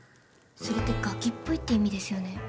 それってガキっぽいって意味ですよね。